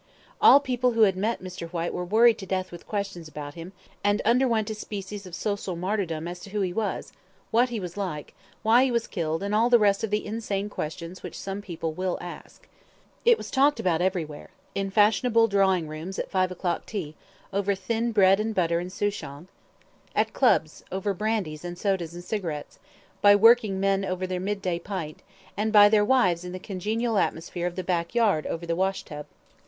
All people who had met Mr. Whyte were worried to death with questions about him, and underwent a species of social martyrdom as to who he was, what he was like, why he was killed, and all the rest of the insane questions which some people will ask. It was talked about everywhere in fashionable drawing rooms at five o'clock tea, over thin bread and butter and souchong; at clubs, over brandies and sodas and cigarettes; by working men over their mid day pint, and by their wives in the congenial atmosphere of the back yard over the wash tub.